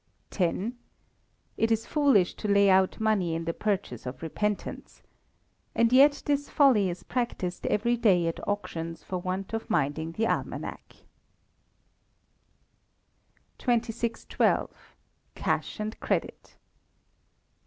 x. "It is foolish to lay out money in the purchase of repentance;" and yet this folly is practised every day at auctions for want of minding the Almanack. 2612. Cash and Credit.